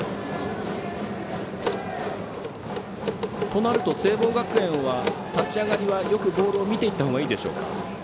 このあと、聖望学園は立ち上がりはよくボールを見ていった方がいいですか？